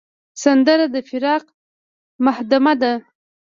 سندره د فراق همدمه ده